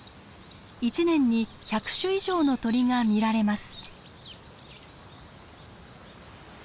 一年に１００種以上の鳥が見られます。